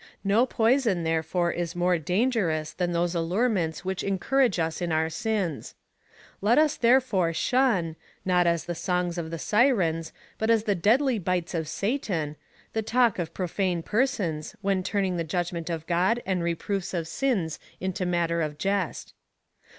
No poison, therefore, is more dangerous than those allurements which encourage us in our sins. Let us, therefore, shun, not as the songs of the Sirens,^ but as the deadly bites of Satan, the talk of profane persons, when turning the judgment of God and reproofs of sins into matter of jest.